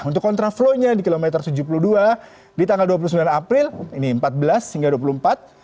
untuk kontraflow nya di kilometer tujuh puluh dua di tanggal dua puluh sembilan april ini empat belas hingga dua puluh empat